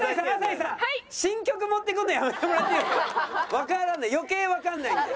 わからない余計わからないんで。